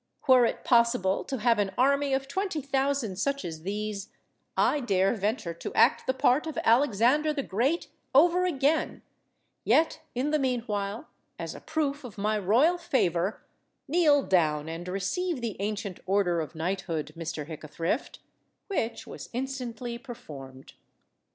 Were it possible to have an army of twenty thousand such as these, I dare venture to act the part of Alexander the Great over again, yet, in the meanwhile, as a proof of my royal favour, kneel down and receive the ancient order of knighthood, Mr. Hickathrift," which was instantly performed.